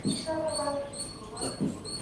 اسلام د مغولو په ژوند کي لوی بدلون راوست.